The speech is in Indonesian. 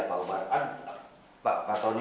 pak umar pak tony